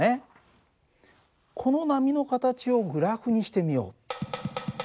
この波の形をグラフにしてみよう。